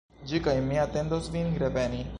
Ĝi kaj mi atendos vin reveni.